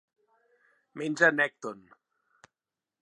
Menja nècton.